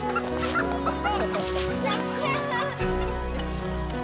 よし！